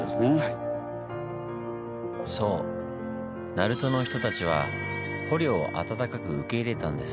鳴門の人たちは捕虜を温かく受け入れたんです。